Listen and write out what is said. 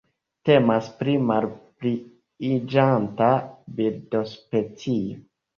Temas pri malpliiĝanta birdospecio.